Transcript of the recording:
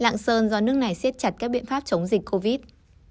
lạng sơn do nước này siết chặt các biện pháp chống dịch covid